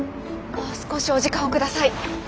もう少しお時間を下さい。